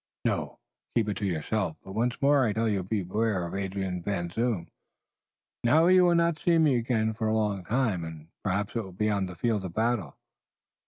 "No. Keep it to yourself, but once more I tell you beware of Adrian Van Zoon. Now you will not see me again for a long time, and perhaps it will be on the field of battle.